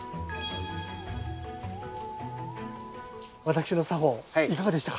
私の作法いかがでしたか？